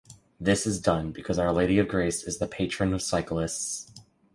This is done because Our Lady of Grace is the patron of cyclists.